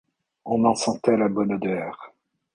On en sentait la bonne odeur.